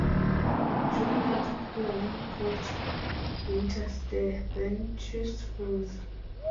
During particularly cold winters, the benches froze.